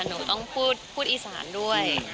หนูต้องพูดอีสานด้วย